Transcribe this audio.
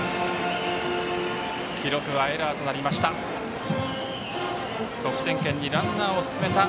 記録はエラーとなりました。